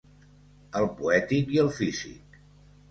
El poètic i el físic.